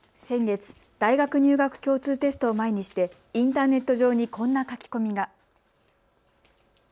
先月、大学入学共通テストを前にしてインターネット上にこんな書き込みが。